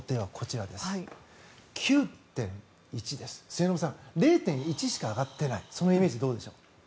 末延さん０．１しか上がっていないそのイメージ、どうでしょう。